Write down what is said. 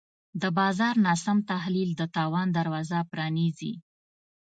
د بازار ناسم تحلیل د تاوان دروازه پرانیزي.